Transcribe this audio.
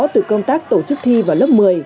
từ công tác tổ chức thi vào lớp một mươi